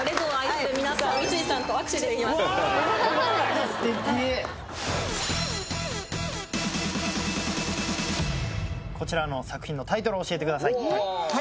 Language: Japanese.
うわすごいこちらの作品のタイトルを教えてください